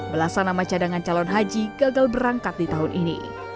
belasan nama cadangan calon haji gagal berangkat di tahun ini